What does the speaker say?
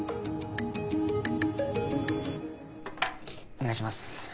お願いします。